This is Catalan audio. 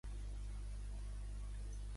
Sabadell per retornar-lo a la categoria de plata.